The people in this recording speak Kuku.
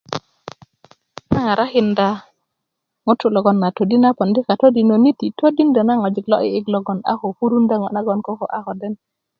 ŋarakinda ŋutu loŋ kadodinanit a pondi todindö na ŋojik lo 'dik'dik loŋ 'bak kurundö ŋo nagoŋ koko 'bak ko den